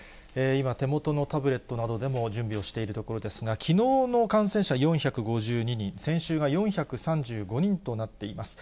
今、手元のタブレットなどでも準備をしているところですが、きのうの感染者４５２人、先週が４３５人となっています。